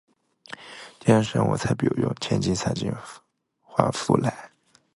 天生我材必有用，千金散尽还复来